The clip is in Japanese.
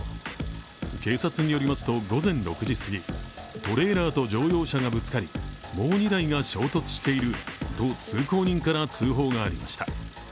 警察によりますと、午前６時すぎ、トレーラーと乗用車がぶつかりもう２台が衝突していると通行人から通報がありました。